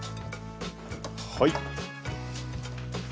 はい。